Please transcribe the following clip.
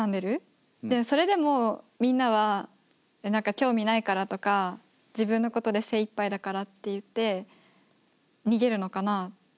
でそれでもみんなは何か興味ないからとか自分のことで精いっぱいだからって言って逃げるのかなあ。